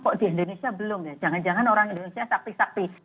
kok di indonesia belum ya jangan jangan orang indonesia sapi sapi